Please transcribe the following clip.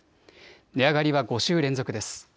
値上がりは５週連続です。